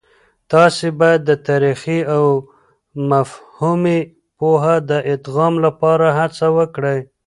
تاسې باید د تاريخي او مفهومي پوهه د ادغام لپاره هڅه وکړئ.